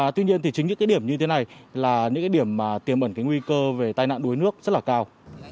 tuy nhiên chính những địa điểm như thế này là những địa điểm tiềm ẩn nguy cơ về tai nạn đuối nước rất cao